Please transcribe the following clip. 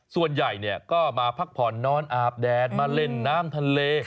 ส่วนใหญ่ก็มาพักผ่อนนอนอาบแดดมาเล่นน้ำทะเล